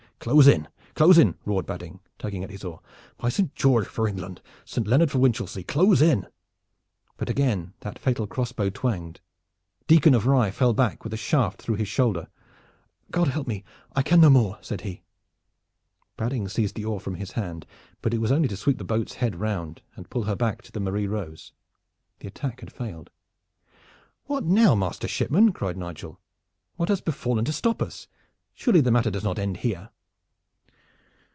"Close in, close in!" roared Badding, tugging at his oar. "Saint George for England! Saint Leonard for Winchelsea! Close in!" But again that fatal crossbow twanged. Dicon of Rye fell back with a shaft through his shoulder. "God help me, I can no more!" said he. Badding seized the oar from his hand; but it was only to sweep the boat's head round and pull her back to the Marie Rose. The attack had failed. "What now, master shipman?" cried Nigel. "What has befallen to stop us? Surely the matter does not end here?"